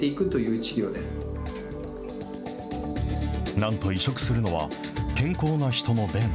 なんと移植するのは、健康な人の便。